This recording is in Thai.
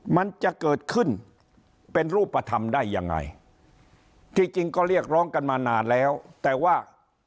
มันจะเกิดขึ้นเป็นรูปธรรมได้ยังไงที่จริงก็เรียกร้องกันมานานแล้วแต่ว่า